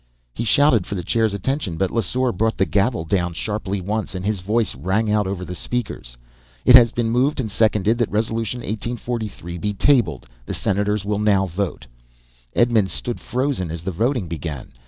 He shouted for the chair's attention, but Lesseur brought the gavel down sharply once, and his voice rang over the speakers. "It has been moved and seconded that Resolution 1843 be tabled. The senators will now vote." Edmonds stood frozen as the voting began.